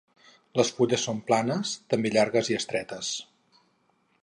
Les fulles són planes, també llargues i estretes.